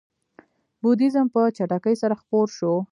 بودیزم په چټکۍ سره خپور شو.